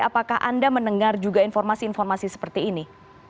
apakah anda mendengar juga informasi informasi seperti ini